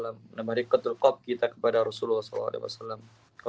menambah dekat kebun kita kepada rasulullah saw